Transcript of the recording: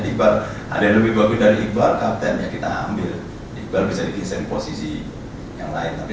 di bar ada lebih bagus dari barca terakhir kita ambil di barca dikisahkan posisi yang lain tapi